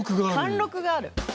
貫禄がある。